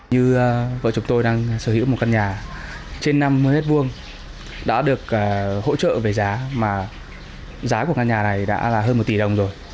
như vợ chúng tôi đang sở hữu một căn nhà trên năm mươi m hai đã được hỗ trợ về giá mà giá của căn nhà này đã là hơn một tỷ đồng rồi